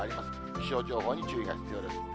気象情報に注意が必要です。